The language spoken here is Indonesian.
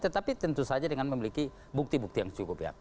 tetapi tentu saja dengan memiliki bukti bukti yang cukup ya